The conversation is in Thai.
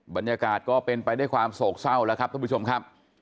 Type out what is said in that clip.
บรรยากาศก็เป็นไปด้วยความโศกเศร้าแล้วครับท่านผู้ชมครับ